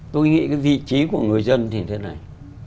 tôi nghĩ cái vị trí của người dân thì thế này